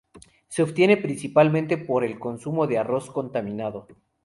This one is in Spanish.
Se obtiene principalmente por el consumo de arroz contaminado.